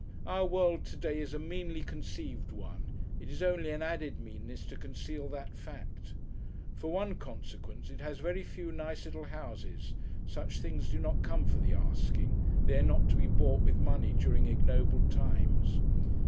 Our world to day is a meanly conceived one it is only an added meanness to conceal that fact. For one consequence, it has very few nice little houses, such things do not come for the asking, they are not to be bought with money during ignoble times.